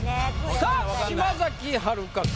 さあ島崎遥香か？